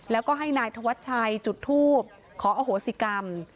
แล้วก็ให้นายธวัชชัยจุดทูบขออโหสิกรรม